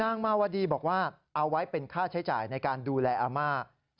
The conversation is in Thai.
มาวดีบอกว่าเอาไว้เป็นค่าใช้จ่ายในการดูแลอาม่า